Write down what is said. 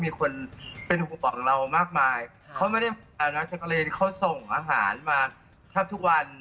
มีคนเป็นห่วงเรามากมายเขาไม่ได้นักจักรีนเขาส่งอาหารมาแทบทุกวัน